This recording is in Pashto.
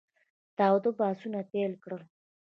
تاوده بحثونه پیل کړل.